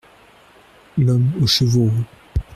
L’homme aux cheveux roux.